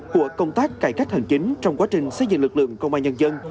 của công tác cải cách hành chính trong quá trình xây dựng lực lượng công an nhân dân